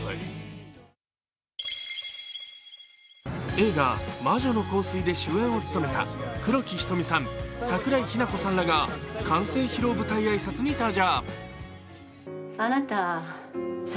映画「魔女の香水」で主演を務めた黒木瞳さん、桜井日奈子さんらが完成披露舞台挨拶に登場。